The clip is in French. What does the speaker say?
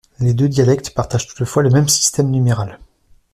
Les deux dialectes partagent toutefois le même système numéral.